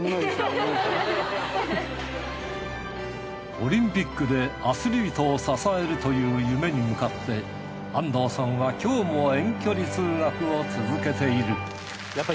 オリンピックでアスリートを支えるという夢に向かって安藤さんは今日も遠距離通学を続けている